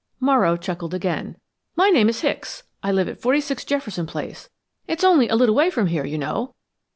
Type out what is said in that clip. Morrow chuckled again. "My name is Hicks. I live at 46 Jefferson Place. It's only a little way from here, you know."